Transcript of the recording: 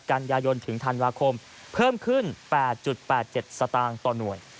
กันยายนถึงธันวาคมเพิ่มขึ้น๘๘๗สตางค์ต่อหน่วย